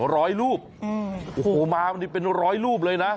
ร้อยรูปโอ้โหมามันเป็นร้อยรูปเลยนะ